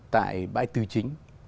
tại bãi tư chính